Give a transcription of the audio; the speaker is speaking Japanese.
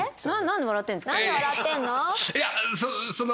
なんで笑ってんの？